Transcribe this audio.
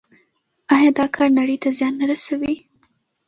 آیا دا کار نړۍ ته زیان نه رسوي؟